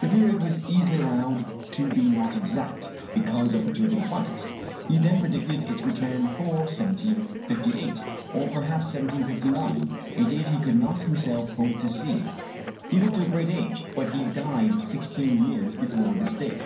The period was easily allowed to be not exact, because of perturbing planets. He then predicted its return for 1758, or perhaps 1759, a date he could not himself hope to see. He lived to a great age, but he died sixteen years before this date.